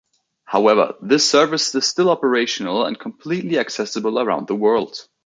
However, the service is still operational and completely accessible around the world.